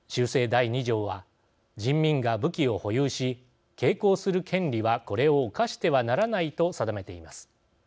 第２条は「人民が武器を保有し携行する権利はこれを侵してはならない」と定めています。